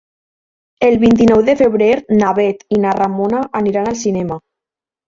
El vint-i-nou de febrer na Bet i na Ramona aniran al cinema.